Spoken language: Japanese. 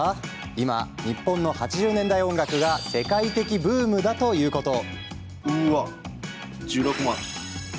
今、日本の８０年代音楽が世界的ブームだということを。